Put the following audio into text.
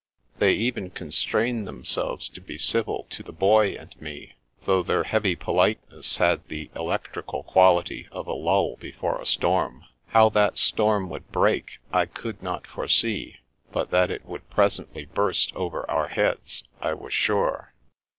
They even con strained themselves to be civil to the Boy and me, The Little Rift within the Lute 225 though their heavy politeness had the electrical qual ity of a lull before a storm. How that storm would break I could not foresee, but that it would presently burst above our heads I was sure.